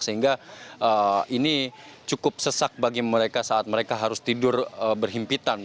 sehingga ini cukup sesak bagi mereka saat mereka harus tidur berhimpitan